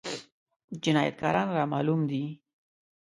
جنايتکاران معلوم دي؟